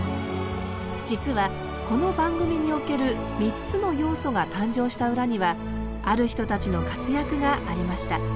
実はこの番組における３つの要素が誕生した裏にはある人たちの活躍がありました。